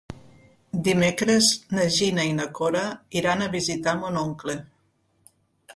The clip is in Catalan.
Dimecres na Gina i na Cora iran a visitar mon oncle.